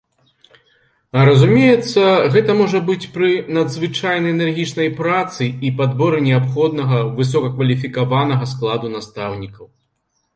Разумеецца, гэта можа быць пры надзвычайна энергічнай працы і падборы неабходнага высокакваліфікаванага складу настаўнікаў.